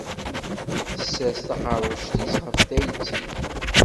Tessers taqerruct-is ɣef tayet-iw.